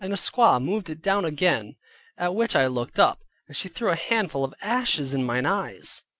A squaw moved it down again, at which I looked up, and she threw a handful of ashes in mine eyes.